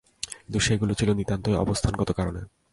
কিন্তু সেগুলো ছিল নিতান্তই অবস্থানগত কারণে।